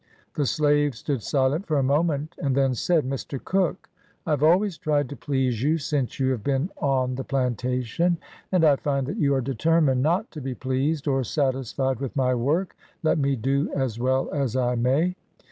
The slave stood silent for a moment, and then said —" Mr. Cook, 1 have always tried to please you since you have been on the plantation, and I find that you are determined not to be pleased or satisfied with my work, let me do as well as I may.